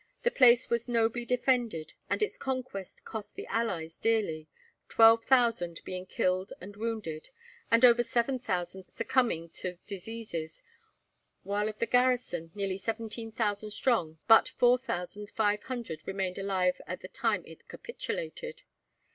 The place was nobly defended, and its conquest cost the allies dearly, twelve thousand being killed and wounded, and over seven thousand succumbing to diseases; while of the garrison, nearly seventeen thousand strong, but four thousand five hundred remained alive at the time it capitulated.